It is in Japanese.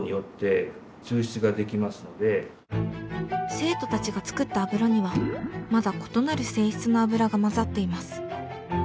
生徒たちが作った油にはまだ異なる性質の油が混ざっています。